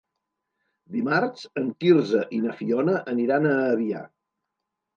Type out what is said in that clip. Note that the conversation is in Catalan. Dimarts en Quirze i na Fiona aniran a Avià.